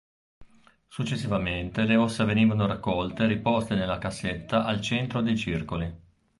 Successivamente le ossa venivano raccolte e riposte nelle cassetta al centro dei circoli.